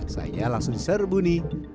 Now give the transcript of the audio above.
saya langsung serbu nih